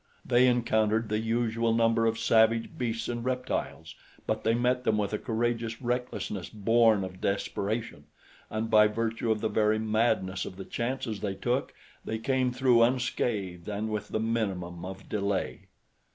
They encountered the usual number of savage beasts and reptiles; but they met them with a courageous recklessness born of desperation, and by virtue of the very madness of the chances they took, they came through unscathed and with the minimum of delay.